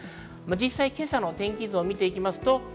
実際に、今朝の天気図を見ていきます。